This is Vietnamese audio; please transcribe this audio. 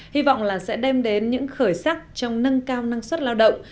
hy vọng là sẽ đem đến những khởi sắc trong nâng cao năng suất lao động